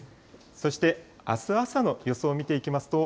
そして、あす朝の予想見ていきますと。